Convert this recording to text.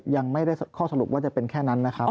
ยังไม่ได้ข้อสรุปว่าจะเป็นแค่นั้นนะครับ